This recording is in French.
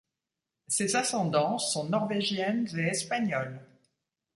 Ses ascendances sont norvégiennes et espagnoles.